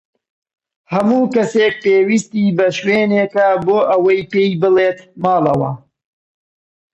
هەموو کەسێک پێویستی بە شوێنێکە بۆ ئەوەی پێی بڵێت ماڵەوە.